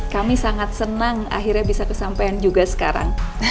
kami sangat senang akhirnya bisa kesampean juga sekarang